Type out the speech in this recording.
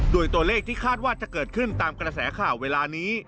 โดยตัวเลขที่คาดว่าจะเกิดขึ้นตามกระแสข่าวเวลานี้